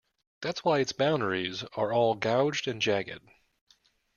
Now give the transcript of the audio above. That's why its boundaries are all gouged and jagged.